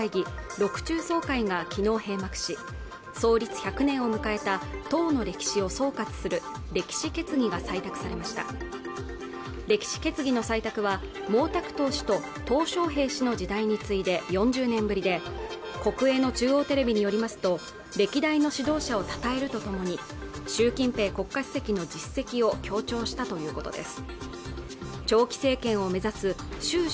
６中総会がきのう閉幕し創立１００年を迎えた党の歴史を総括する歴史決議が採択されました歴史決議の採択は毛沢東氏とトウ小平氏の時代に次いで４０年ぶりで国営の中央テレビによりますと歴代の指導者をたたえるとともに習近平国家主席の実績を強調したということです